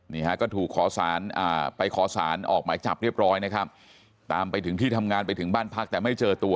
นี่ฮะก็ถูกขอสารไปขอสารออกหมายจับเรียบร้อยนะครับตามไปถึงที่ทำงานไปถึงบ้านพักแต่ไม่เจอตัว